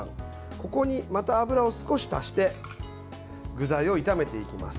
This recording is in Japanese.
ここに、また油を少し足して具材を炒めていきます。